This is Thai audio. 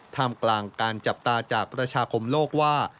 ท่ามกลางการจับตาจากประชาคมโลกว่า